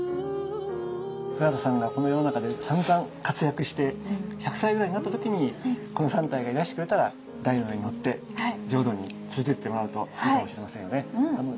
古畑さんがこの世の中でさんざん活躍して１００歳ぐらいになった時にこの３体がいらしてくれたら台の上に乗って浄土に連れてってもらうといいかもしれませんよね。